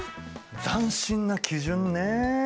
斬新な基準ね。